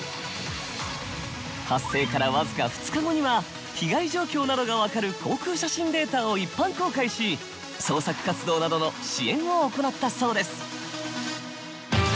発生から僅か２日後には被害状況などが分かる航空写真データを一般公開し捜索活動などの支援を行ったそうです。